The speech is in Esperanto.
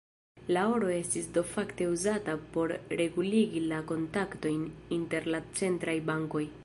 La oro estis do fakte uzata por reguligi la kontaktojn inter la centraj bankoj.